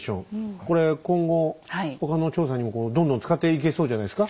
これ今後他の調査にもどんどん使っていけそうじゃないですか？